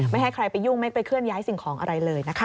ไม่ให้ใครไปยุ่งไม่ไปเคลื่อนย้ายสิ่งของอะไรเลยนะคะ